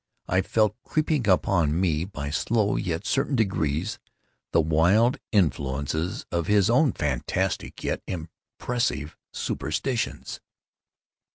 I felt creeping upon me, by slow yet certain degrees, the wild influences of his own fantastic yet impressive superstitions.